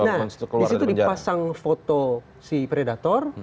nah disitu dipasang foto si predator